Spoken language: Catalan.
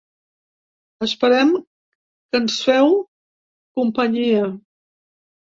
Esperem que ens feu companyia.